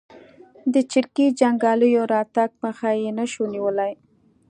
د چریکي جنګیالیو راتګ مخه یې نه شوه نیولای.